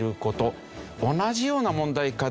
同じような問題課題